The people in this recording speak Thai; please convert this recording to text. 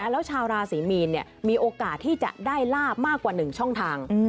แล้วชาวราศรีมีนมีโอกาสที่จะได้ลาบมากกว่า๑ช่องทาง